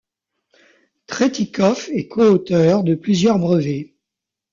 Tretikov est coauteur de plusieurs brevets.